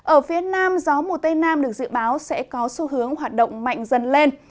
ở phía nam gió mùa tây nam được dự báo sẽ có xu hướng hoạt động mạnh dần lên